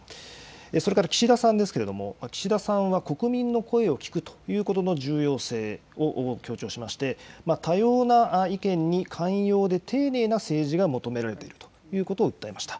それから岸田さんですけれども、岸田さんは、国民の声を聞くということの重要性を強調しまして、多様な意見に寛容で丁寧な政治が求められているということを訴えました。